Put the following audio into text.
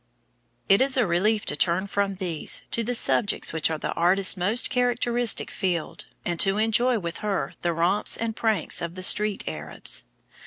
] It is a relief to turn from these to the subjects which are the artist's most characteristic field, and to enjoy with her the romps and pranks of the street Arabs.